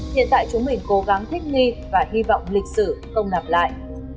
hiện tại chúng mình cố gắng thích nghi và hy vọng lịch sử không nạp lại